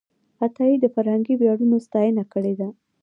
عطایي د فرهنګي ویاړونو ستاینه کړې ده.